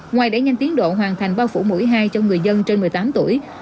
ngoài đẩy nhanh tiến độ hoàn thành bao phủ mũi hai cho người dân trên một mươi tám tuổi